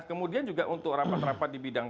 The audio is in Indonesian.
kemudian juga untuk rapat rapat di bidang